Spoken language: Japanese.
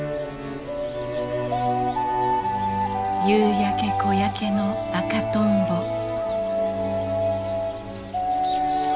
夕焼け小焼けの赤とんぼ。